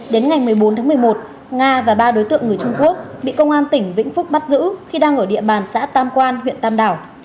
đến ngày một mươi bốn tháng một mươi một nga và ba đối tượng người trung quốc bị công an tỉnh vĩnh phúc bắt giữ khi đang ở địa bàn xã tam quan huyện tam đảo